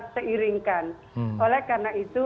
seiringkan oleh karena itu